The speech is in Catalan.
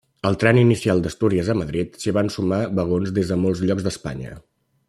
Al tren inicial d'Astúries a Madrid, s'hi van sumar vagons des de molts llocs d'Espanya.